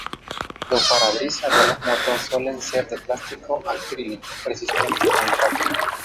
Los parabrisas de las motos suelen ser de plástico acrílico resistente a impactos.